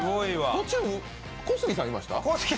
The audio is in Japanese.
途中、小杉さんいました？